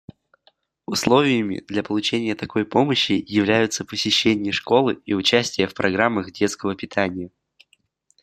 Условиями для получения такой помощи являются посещение школы и участие в программах детского питания.